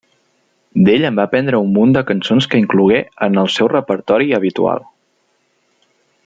D'ell en va aprendre un munt de cançons que inclogué en el seu repertori habitual.